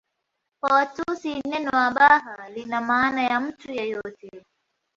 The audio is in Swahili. Kwa Watusi neno Abaha lina maana ya mtu yeyote